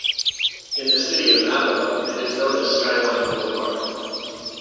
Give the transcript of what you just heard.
In the city of Avenal, it is known as Skyline Boulevard.